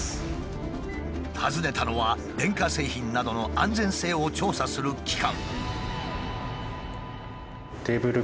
訪ねたのは電化製品などの安全性を調査する機関。